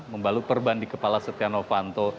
membalut perban di kepala setia novanto